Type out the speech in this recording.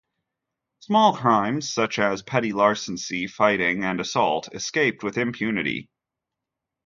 Small crimes, such as petty larceny, fighting, and assault, escaped with impunity.